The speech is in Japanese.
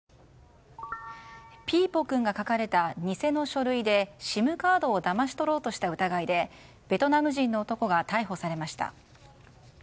ピーポくんが描かれた偽の書類でＳＩＭカードをだまし取ろうとした疑いでベトナム人の男が逮捕されました。